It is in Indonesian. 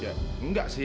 ya enggak sih tapi